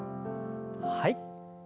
はい。